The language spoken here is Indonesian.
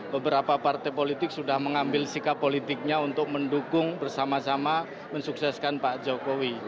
beberapa partai politik sudah mengambil sikap politiknya untuk mendukung bersama sama mensukseskan pak jokowi